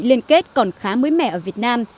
liên kết còn khá mới mẻ ở việt nam